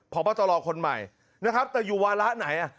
พบตรคนใหม่นะครับแต่อยู่วาระไหน